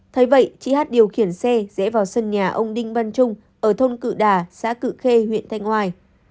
thấy vậy chị hát điều khiển xe rẽ vào sân nhà ông đinh văn trung ở thôn cự đà xã cự khê huyện thanh hoài